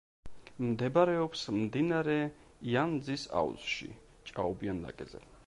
მდებარეობს მდინარე იანძის აუზში, ჭაობიან ვაკეზე.